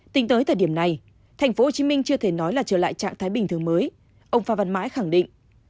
tính tới thời điểm này tp hcm chưa thể nói là trở lại trạng thái bình thường mới ông pha văn mãi khẳng định